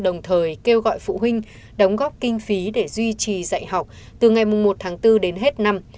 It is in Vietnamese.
đồng thời kêu gọi phụ huynh đóng góp kinh phí để duy trì dạy học từ ngày một tháng bốn đến hết năm